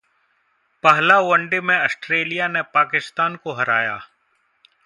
पहले वनडे में ऑस्ट्रेलिया ने पाकिस्तान को हराया